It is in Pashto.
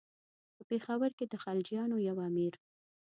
په پېښور کې د خلجیانو یو امیر.